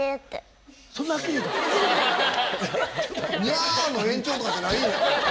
「ニャー」の延長とかじゃないんや。